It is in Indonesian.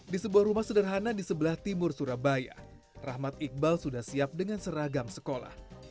di sebuah rumah sederhana di sebelah timur surabaya rahmat iqbal sudah siap dengan seragam sekolah